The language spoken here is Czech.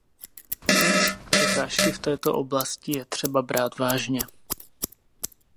Překážky v této oblasti je třeba brát vážně.